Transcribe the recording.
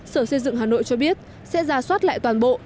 sở xây dựng hà nội cho biết sẽ ra soát lại toàn bộ